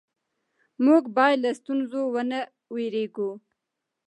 موږ باید له ستونزو ونه وېرېږو